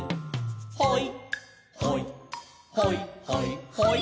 「ほいほいほいほいほい」